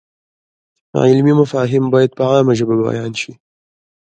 علمي مفاهیم باید په عامه ژبه بیان شي.